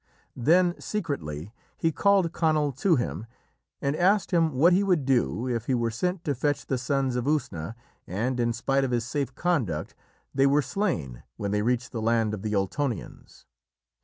Then secretly he called Conall to him and asked him what he would do if he were sent to fetch the Sons of Usna, and, in spite of his safe conduct, they were slain when they reached the land of the Ultonians.